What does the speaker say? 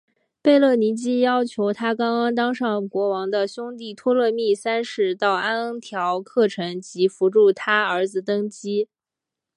贝勒尼基要求她刚刚当上国王的兄弟托勒密三世到安条克城及扶助她儿子登基。